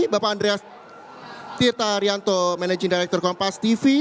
bapak andreas tirta haryanto managing director kompas tv